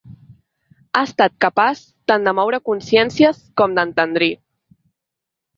Ha estat capaç tant de moure consciències com d’entendrir.